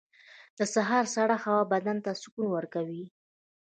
• د سهار سړه هوا بدن ته سکون ورکوي.